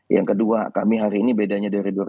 yang kedua kami hari ini bedanya dari dua ribu dua